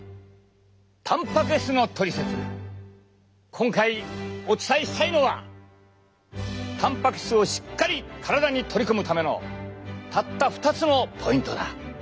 今回お伝えしたいのはたんぱく質をしっかり体に取り込むためのたった２つのポイントだ！